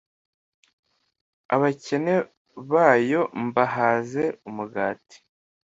abakene bayo mbahaze umugati